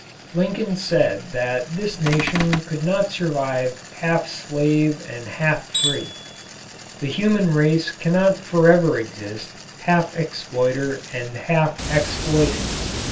Lincoln said that this nation could not survive half slave and half free. The human race cannot forever exist half exploiter and half exploited.